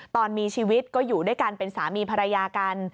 ตอนมีชีวิตก็อยู่ด้วยกันเป็นสามีภรรยากัน